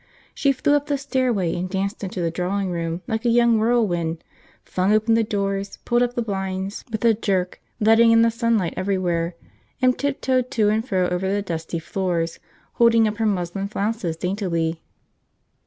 She flew up the stairway and danced into the drawing room like a young whirlwind; flung open doors, pulled up blinds with a jerk, letting in the sunlight everywhere, and tiptoed to and fro over the dusty floors, holding up her muslin flounces daintily.